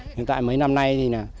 nhưng tại mấy năm nay thì là